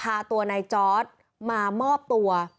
พาตัวนายจอร์ดมามอบตัว